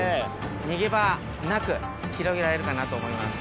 逃げ場なく広げられるかなと思います。